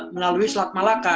melalui selat malaka